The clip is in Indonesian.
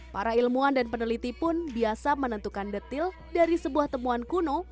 para ilmuwan dan peneliti pun biasa menentukan detil dari sebuah temuan kuno